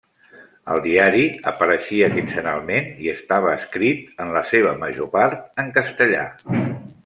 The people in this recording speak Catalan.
El diari apareixia quinzenalment i estava escrit, en la seva major part, en castellà.